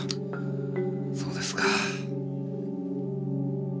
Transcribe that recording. そうですか。